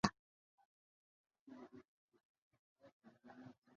Sso nno ne Ba-Kalanzi nabo nnabawandiikira, bwe baliba gyebali Ssabasomesa aligibaweereza.